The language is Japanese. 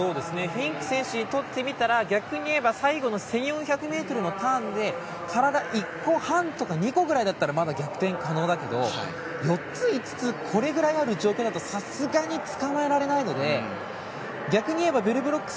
フィンク選手にとってみたら逆に言えば最後の１４００ｍのターンで体１個半とか２個だったら逆転可能だけど４つ、５つある展開だとさすがに捕まえられないので逆に言えばベルブロック